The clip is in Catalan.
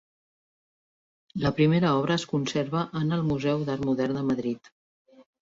La primera obra es conserva en el Museu d'Art Modern de Madrid.